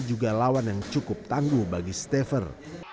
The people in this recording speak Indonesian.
juga lawan yang cukup tangguh bagi staffer